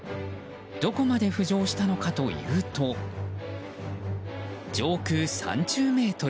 どこまで浮上したのかというと上空３０ｍ。